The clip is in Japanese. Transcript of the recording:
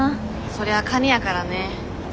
そりゃカニやからね。